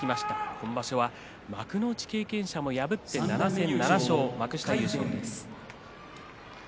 今場所は幕内経験者も破って７戦７勝幕下優勝です。